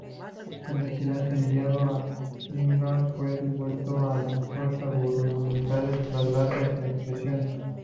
El "Vigilante", enviado a Gibraltar, fue devuelto a las fuerzas gubernamentales tras largas negociaciones.